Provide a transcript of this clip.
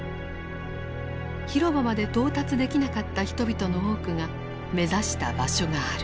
広場まで到達できなかった人々の多くが目指した場所がある。